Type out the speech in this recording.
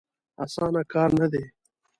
اسانه کار نه دی.